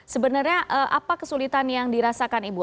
sebenarnya apa kesulitan yang dirasakan ibu